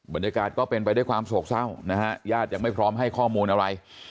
บรรยากาศก็เป็นไปด้วยความโศกเศร้านะฮะญาติยังไม่พร้อมให้ข้อมูลอะไร